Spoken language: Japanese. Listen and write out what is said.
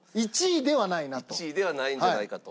１位ではないんじゃないかと。